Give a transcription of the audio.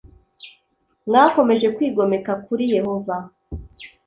mwakomeje kwigomeka kuri yehova